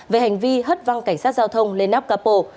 về hành vi hất văng cảnh sát giao thông lên nắp cáp bộ